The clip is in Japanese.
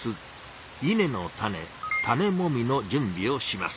稲の種種もみの準備をします。